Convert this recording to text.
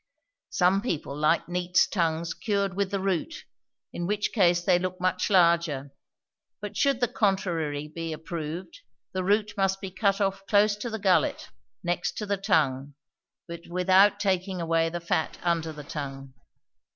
Some people like neats' tongues cured with the root, in which case they look much larger; but should the contrary be approved, the root must be cut off close to the gullet, next to the tongue, but without taking away the fat under the tongue.